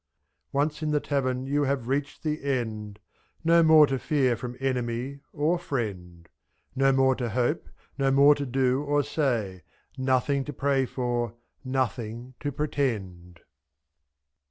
Once in the tavern you have reached the end. No more to fear from enemy — or friend; ZJ^, No more to hope, no more to do or say. Nothing to pray for — nothing to pretend.